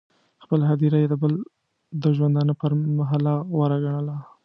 خپله هدیره یې د بل د ژوندانه پر محله غوره ګڼله.